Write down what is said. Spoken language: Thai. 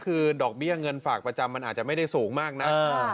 คือดอกเบี้ยเงินฝากประจำมันอาจจะไม่ได้สูงมากนัก